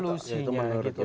apa solusinya gitu menurut lu